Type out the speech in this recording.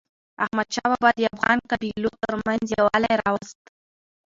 احمدشاه بابا د افغانو قبایلو ترمنځ یووالی راوست.